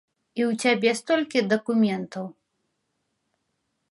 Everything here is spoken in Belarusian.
І ў цябе столькі дакументаў?